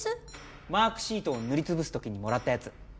マークシートを塗りつぶすときにもらったやつ。